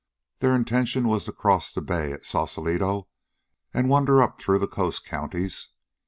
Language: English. Their intention was to cross the Bay to Sausalito and wander up through the coast counties.